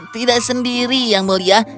tidak sendiri yang mulia